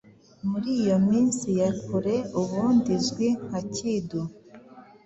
Muri iyo minsiya kureubundi izwi nkakidu